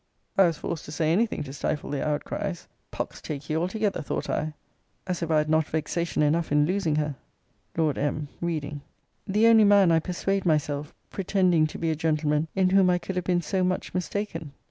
I was forced to say any thing to stifle their outcries. Pox take ye altogether, thought I; as if I had not vexation enough in losing her! Lord M. [Reading.] 'The only man, I persuade myself, pretending to be a gentleman, in whom I could have been so much mistaken.'